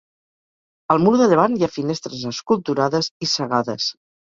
Al mur de llevant hi ha finestres esculturades i cegades.